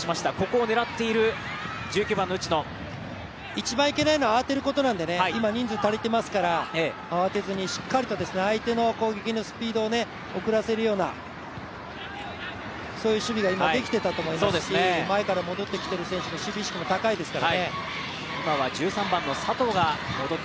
一番いけないのは慌てることなんでね、今、人数足りてますから、慌てずに、しっかりと相手の攻撃のスピードを遅らせるような守備ができていたと思いますし前から戻ってきている選手の守備位置も高いですからね。